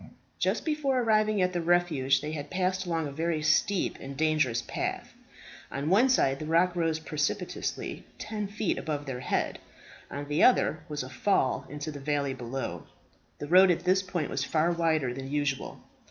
Just before arriving at the refuge, they had passed along a very steep and dangerous path. On one side the rock rose precipitously, ten feet above their heads. On the other, was a fall into the valley below. The road at this point was far wider than usual.